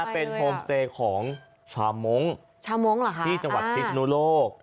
เป็นโฮมสเตยของชมที่จังหวัดพิษณุโลก